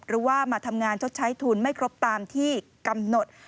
หรือว่ามาทำงานชดใช้ทุนไม่ครบตามที่กำหนด